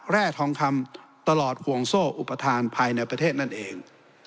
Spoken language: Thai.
แร่ทองคำตลอดห่วงโซ่อุปทานภายในประเทศนั่นเอง